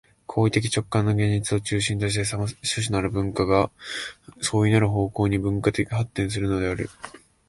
行為的直観の現実を中心として種々なる文化が相異なる方向に分化発展するのである。